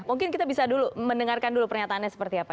mungkin kita bisa dulu mendengarkan dulu pernyataannya seperti apa